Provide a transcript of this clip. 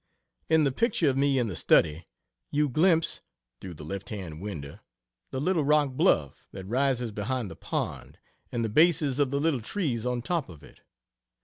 In the picture of me in the study you glimpse (through the left hand window) the little rock bluff that rises behind the pond, and the bases of the little trees on top of it.